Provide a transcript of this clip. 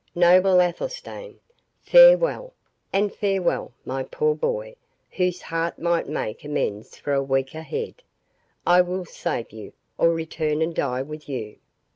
—Noble Athelstane, farewell; and farewell, my poor boy, whose heart might make amends for a weaker head—I will save you, or return and die with you.